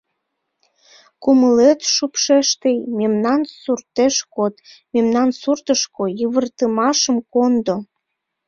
Кумылет шупшеш тый, мемнан суртеш код, мемнан суртышко Йывыртымашым кондо.